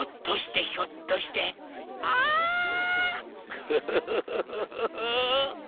クフフフフフフ。